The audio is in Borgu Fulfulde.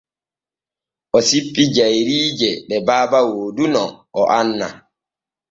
O sippi jayriije ɗe baaba wooduno o annaa.